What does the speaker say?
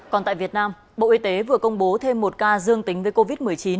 còn tại việt nam bộ y tế vừa công bố thêm một ca dương tính với covid một mươi chín